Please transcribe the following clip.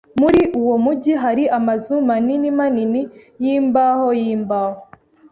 Muri uwo mujyi hari amazu manini manini yimbaho yimbaho.